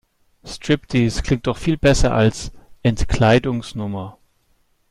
Striptease klingt doch viel besser als Entkleidungsnummer.